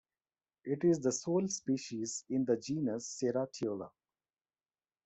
It is the sole species in the genus Ceratiola.